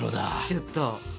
ちょっと。